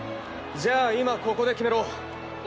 じゃあ今ここで決めろ。